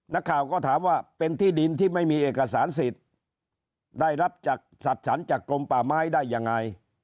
นักข่าวก็ถามว่าเป็นที่ดินที่ไม่มีเอกสารสิทธิ์ได้รับจากสัดฉันจากกลมป่าไม้ได้ยังไง